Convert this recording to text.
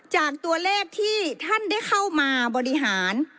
จากตัวเลขที่ท่านได้เข้ามาบริหาร